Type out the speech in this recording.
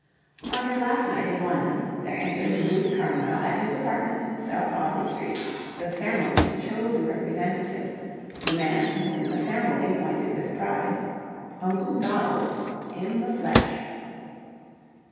On his last night in London, there entered to Bruce Carmyle at his apartment in South Audley Street, the Family's chosen representative, the man to whom the Family pointed with pride Uncle Donald, in the flesh.